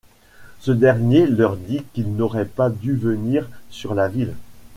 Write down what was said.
Ce dernier leur dit qu'ils n'auraient pas dû venir sur la ville.